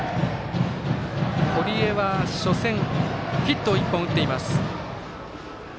堀江は、初戦ヒットを１本打ってます。